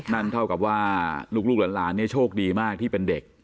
นั่นเท่ากับว่าลูกหลานเนี่ยโชคดีมากที่เป็นเด็ก